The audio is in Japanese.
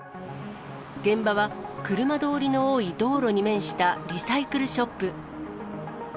現場は車通りの多い道路に面したリサイクルショップ。